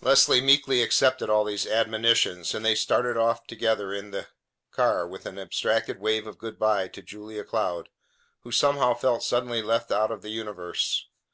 Leslie meekly accepted all these admonitions, and they started off together in the car with an abstracted wave of good by to Julia Cloud, who somehow felt suddenly left out of the universe.